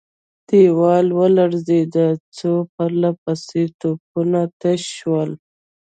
دېوال ولړزېد، څو پرله پسې توپونه تش شول.